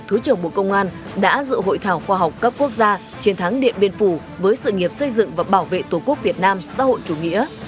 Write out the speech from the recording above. thứ trưởng bộ công an đã dự hội thảo khoa học cấp quốc gia chiến thắng điện biên phủ với sự nghiệp xây dựng và bảo vệ tổ quốc việt nam xã hội chủ nghĩa